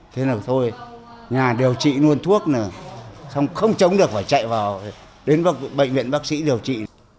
thế là thôi nhà điều trị luôn thuốc là xong không chống được và chạy vào đến bệnh viện bác sĩ điều trị